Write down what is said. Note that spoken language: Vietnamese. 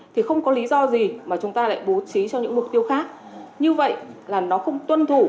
thì không có lý do gì mà chúng ta lại bố trí cho những mục tiêu khác như vậy là nó không tuân thủ